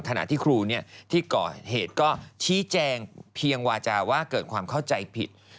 ขณะที่ครูที่ก่อเหตุก็ชี้แจงเพียงวาจาว่าเกิดความเข้าใจผิด